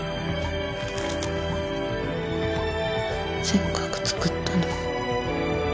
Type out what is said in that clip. せっかく作ったのに。